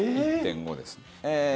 １．５ですね。